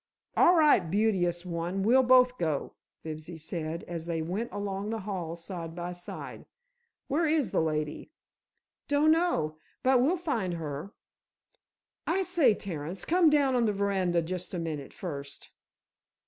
"All right, Beauteous One, we'll both go," Fibsy said, as they went along the hall side by side. "Where is the lady?" "Donno; but we'll find her. I say, Terence, come down on the veranda just a minute, first."